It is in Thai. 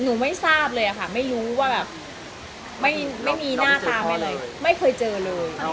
ไม่ทราบเลยค่ะไม่รู้ว่าแบบไม่มีหน้าตาไปเลยไม่เคยเจอเลย